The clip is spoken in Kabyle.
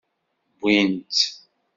Wwin-tt.